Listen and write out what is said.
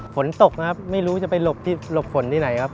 ฝนตกนะครับไม่รู้จะไปหลบที่หลบฝนที่ไหนครับ